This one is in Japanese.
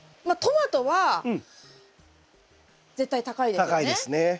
まあトマトは絶対高いですね。